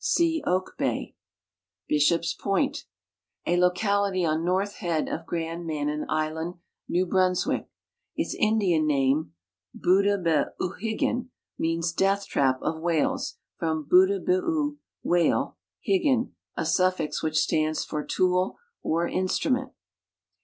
(See Oak bay.) Bishop's point, a locality on north head of Grand Manan island, New Brunswick. Its Indian name, Budebe uhiyen, means death traj) of whales, from budebe u, " wliale"; higen, a sufHx which stands for " tool " or " instrument."